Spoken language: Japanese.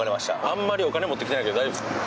あんまりお金持ってきてないけど大丈夫ですか？